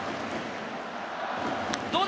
どうだ？